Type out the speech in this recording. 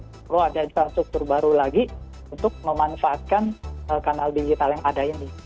perlu ada infrastruktur baru lagi untuk memanfaatkan kanal digital yang ada ini